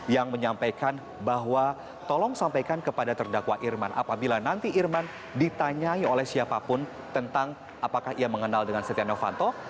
yang menyampaikan bahwa tolong sampaikan kepada terdakwa irman apabila nanti irman ditanyai oleh siapapun tentang apakah ia mengenal dengan setia novanto